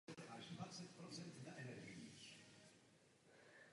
Chybějící den byl proto odebrán únoru.